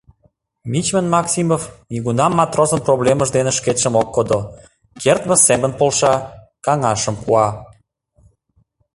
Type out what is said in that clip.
Мичман Максимов нигунам матросым проблемыж дене шкетшым ок кодо, кертмыж семын полша, каҥашым пуа.